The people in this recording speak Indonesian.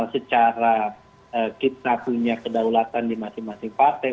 secara kita punya kedaulatan di masing masing partai